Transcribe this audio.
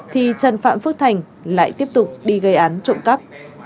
thì trần phạm phước thành lại tiếp tục đi gây án trộm cắp